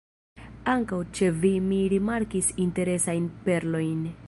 Ankaŭ ĉe vi mi rimarkis interesajn ‘perlojn’.